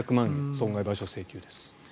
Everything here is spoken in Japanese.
損害賠償請求です。